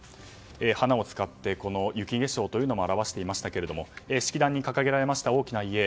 花を使って雪化粧というのも表していましたが式壇に掲げられた大きな遺影。